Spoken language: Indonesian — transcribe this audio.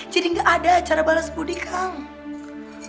jadi nggak ada cara balas budi kak